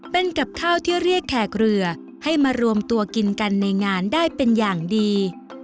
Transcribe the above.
เป็นกับข้าวที่เรียกแขกเรือให้มารวมตัวกินกันในงานได้เป็นอย่างดี